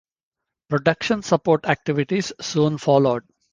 Production support activities soon followed.